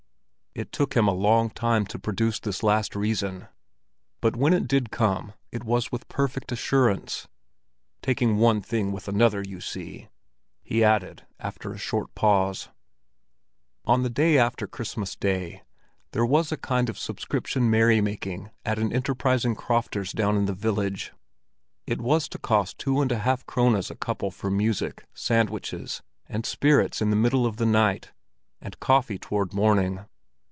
It took him a long time to produce this last reason, but when it did come it was with perfect assurance. "Taking one thing with another, you see," he added, after a short pause. On the day after Christmas Day there was a kind of subscription merrymaking at an enterprising crofter's down in the village; it was to cost two and a half krones a couple for music, sandwiches, and spirits in the middle of the night, and coffee toward morning.